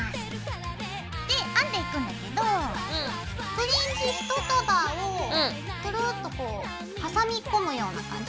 で編んでいくんだけどフリンジ１束をクルッとこう挟み込むような感じ